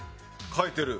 書いてる。